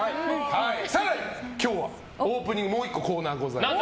更に、今日はオープニングにもう１個コーナーあります。